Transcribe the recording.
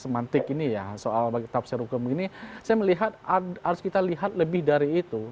semantik ini ya soal tafsir hukum begini saya melihat harus kita lihat lebih dari itu